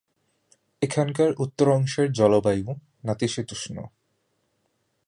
এখানকার উত্তর অংশের জলবায়ু নাতিশীতোষ্ণ।